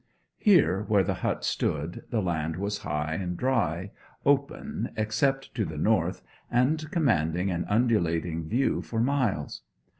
Here, where the hut stood, the land was high and dry, open, except to the north, and commanding an undulating view for miles.